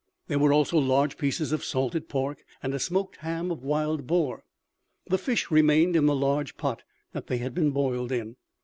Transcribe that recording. There were also large pieces of salted pork and a smoked ham of wild boar. The fish remained in the large pot that they had been boiled in.